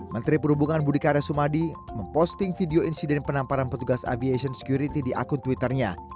menteri perhubungan budi karya sumadi memposting video insiden penamparan petugas aviation security di akun twitternya